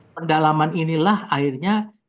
pendalaman inilah akhirnya dilihat ada kemampuan